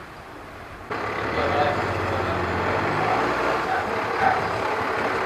จะเกิดอะไรขึ้นเมื่อรัฐเป็นผู้ส่งสารผิดพลาด !